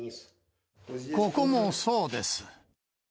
ここもそうです。